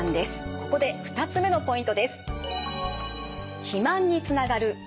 ここで２つ目のポイントです。